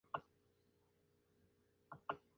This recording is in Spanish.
En abril se reintegró al bloqueo.